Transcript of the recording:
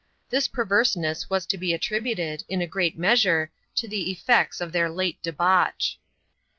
This perverseness was to be attributed, in a great measure, to the effects of their late debauch.